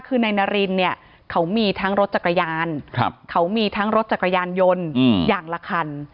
คือนายนารินเนี่ยเขามีทั้งรถจักรยานเขามีทั้งรถจักรยานยนต์อย่างละคัน